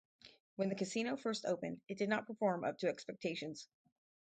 When the casino first opened, it did not perform up to expectations.